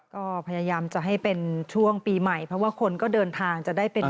ก็พยายามจะให้เป็นช่วงปีใหม่เพราะว่าคนก็เดินทางจะได้เป็น